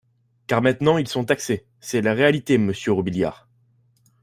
car maintenant ils sont taxés :, C’est la réalité, monsieur Robiliard